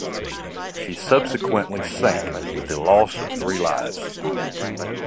She subsequently sank with the loss of three lives.